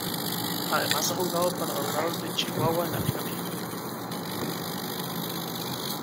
Además ha jugado para Dorados de Chihuahua en la Liga Mexicana.